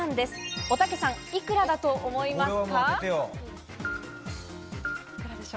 おたけさん、いくらだと思いますか？